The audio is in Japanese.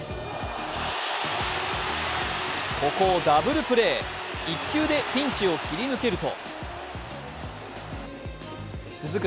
ここをダブルプレー、１球でピンチを切り抜けると続く